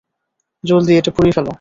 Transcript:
জলদি এটা পুড়িয়ে ফেলো।